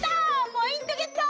ポイントゲット！